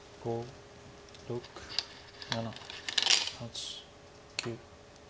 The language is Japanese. ６７８９。